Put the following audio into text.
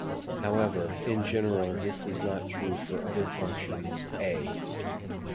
However, in general this is not true for other functions "A".